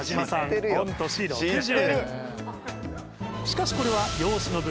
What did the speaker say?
しかしこれは。